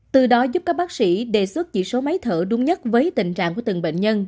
từ đó giúp các bác sĩ đề xuất chỉ số máy thở đúng nhất với tình trạng của từng bệnh nhân